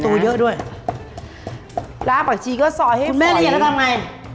อื้อน่ะลาปักชีก็ซอยคุณแม่เย็นแล้วทำไง